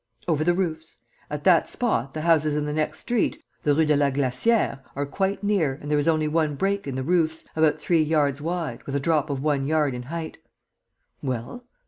"Over the roofs. At that spot the houses in the next street, the Rue de la Glacière, are quite near and there is only one break in the roofs, about three yards wide, with a drop of one yard in height." "Well?"